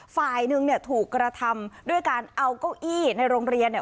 ฝ่ายหนึ่งเนี่ยถูกกระทำด้วยการเอาเก้าอี้ในโรงเรียนเนี่ย